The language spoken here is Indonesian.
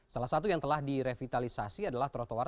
salah satu yang telah direvitalisasi adalah trotoar